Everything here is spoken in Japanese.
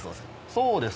そうです